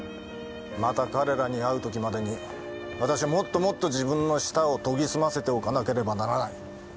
また彼らに会う時までに私はもっともっと自分の舌を研ぎ澄ませておかなければならない。